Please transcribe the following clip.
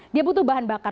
dia butuh bahan bakar